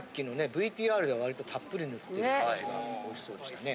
ＶＴＲでは割とたっぷり塗ってる感じがおいしそうでしたね。